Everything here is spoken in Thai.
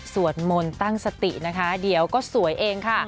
สวดมนต์ตั้งสตินะคะเดี๋ยวก็สวยเองค่ะ